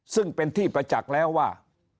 ซึ่งเป็นที่ประจักษ์แล้วว่า